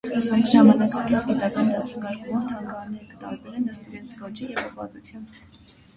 Ժամանակակից գիտական դասակարգումով թանգարանները կը տարբերին ըստ իրենց ոճին եւ ուղղուածութեան։